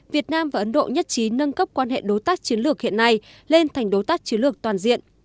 việt nam và ấn độ nhất trí nâng cấp quan hệ đối tác chiến lược hiện nay lên thành đối tác chiến lược toàn diện